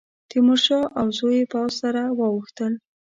تیمورشاه او زوی یې پوځ سره واوښتل.